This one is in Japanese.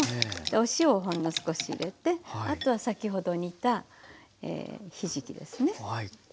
でお塩をほんの少し入れてあとは先ほど煮たひじきですね。